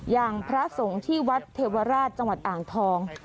อย่างพระสงฆ์ที่วัดเทวราชจังหวัดอ่างทอง